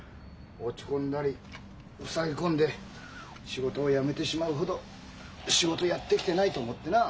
落ち込んだりふさぎ込んで仕事をやめてしまうほど仕事やってきてないと思ってな。